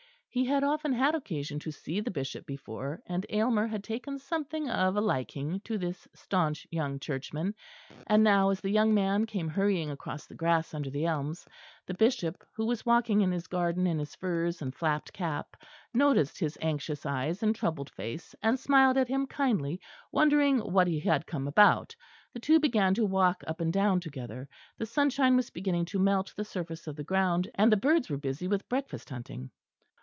He had often had occasion to see the Bishop before, and Aylmer had taken something of a liking to this staunch young churchman; and now as the young man came hurrying across the grass under the elms, the Bishop, who was walking in his garden in his furs and flapped cap, noticed his anxious eyes and troubled face, and smiled at him kindly, wondering what he had come about. The two began to walk up and down together. The sunshine was beginning to melt the surface of the ground, and the birds were busy with breakfast hunting.